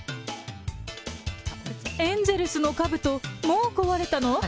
エンゼルスのかぶと、もう壊れたの？